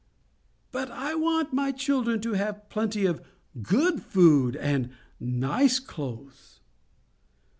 But I want my children to have plenty of GOOD food, and NICE clothes.